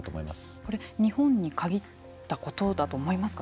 これ、日本に限ったことだと思いますか。